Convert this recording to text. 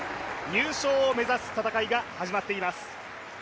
入賞を目指す戦いが始まっています。